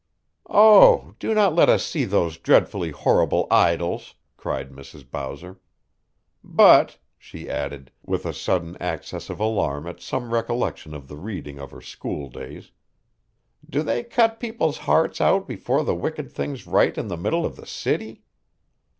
"Oh, do let us see those delightfully horrible idols," cried Mrs. Bowser. "But," she added, with a sudden access of alarm at some recollection of the reading of her school days, "do they cut people's hearts out before the wicked things right in the middle of the city?"